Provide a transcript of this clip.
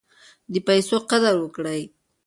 د پیسو قدر وکړئ.